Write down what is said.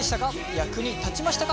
役に立ちましたか？